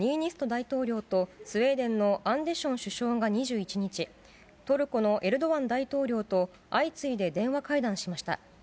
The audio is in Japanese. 大統領と、スウェーデンのアンデション首相が２１日、トルコのエルドアン大統領と、相次いで電話会談しました。